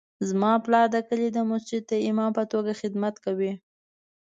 زما پلار د کلي د مسجد د امام په توګه خدمت کوي